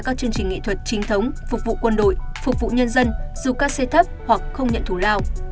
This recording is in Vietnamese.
các chương trình nghệ thuật chính thống phục vụ quân đội phục vụ nhân dân dù case thấp hoặc không nhận thủ lao